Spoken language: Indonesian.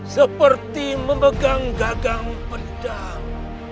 seperti memegang gagang pedang